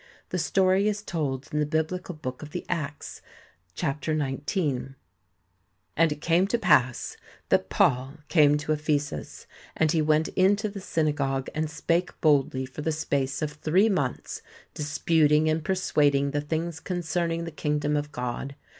The story is told in the Biblical book of the Acts, chapter xix : And it came to pass, that ... Paul ... came to Ephesus. ... And he went into the synagogue and spake boldly for the space of three months, dis puting and persuading the things concerning the kingdom of God.